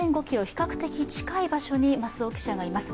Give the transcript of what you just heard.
比較的近い場所に増尾記者がいます。